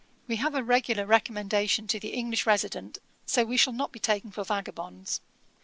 We have a regular recommendation to the English resident, so we shall not be taken for vagabonds.